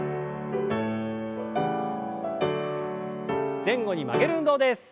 前後に曲げる運動です。